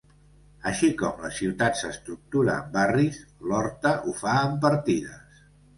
Així com la ciutat s'estructura en barris, l'Horta ho fa en partides.